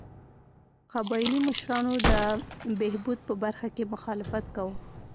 قبایلي مشرانو د بهبود په برخه کې مخالفت کاوه.